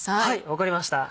分かりました。